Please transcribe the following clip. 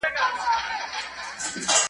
o د خالي دېگ ږغ لوړ وي.